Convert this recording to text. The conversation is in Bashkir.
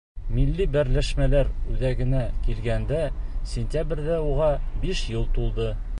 Милли берләшмәләр үҙәгенә килгәндә, сентябрҙә уға биш йыл тулды.